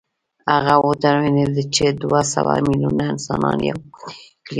هغه وتوانېد چې دوه سوه ميليونه انسانان يو موټی کړي.